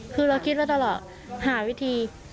คือเราคิดไว้ตลอดหาวิธี